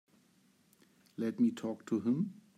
Let me talk to him.